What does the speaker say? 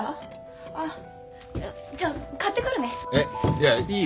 いやいい。